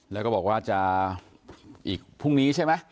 แล้วก็บอกว่าจะอีกพรุ่งนี้ใช่ไหม